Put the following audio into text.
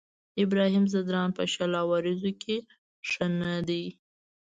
ابراهيم ځدراڼ په شل اوريزو کې ښه نه دی.